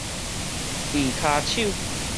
離跤手